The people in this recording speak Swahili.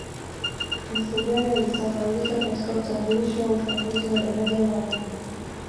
mfugale alisahaulika katika utambulisho wa ufunguzi wa daraja la umoja